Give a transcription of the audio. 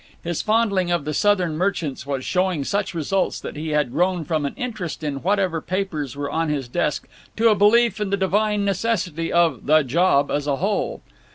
His fondling of the Southern merchants was showing such results that he had grown from an interest in whatever papers were on his desk to a belief in the divine necessity of The Job as a whole.